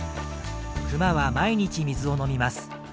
クマは毎日水を飲みます。